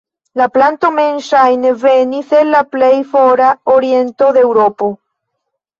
La planto mem ŝajne venis el la plej fora oriento de Eŭropo.